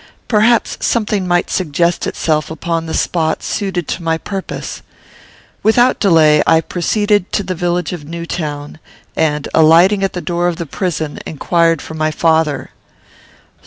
Perhaps something might suggest itself, upon the spot, suited to my purpose. Without delay I proceeded to the village of Newtown, and, alighting at the door of the prison, inquired for my father.